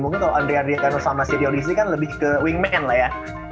mungkin kalo andrea diakono sama si rio lizzi kan lebih ke wingman lah ya